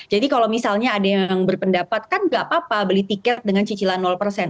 jadi kalau misalnya ada yang berpendapat kan tidak apa apa beli tiket dengan jasa